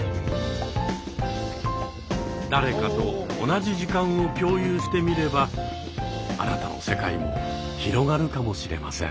誰かと同じ時間を共有してみればあなたの世界も広がるかもしれません。